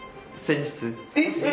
えっ！？